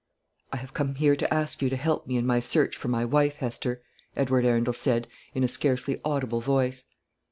"I have come here to ask you to help me in my search for my wife, Hester," Edward Arundel said, in a scarcely audible voice.